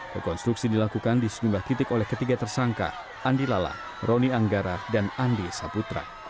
rekonstruksi dilakukan di sejumlah titik oleh ketiga tersangka andi lala roni anggara dan andi saputra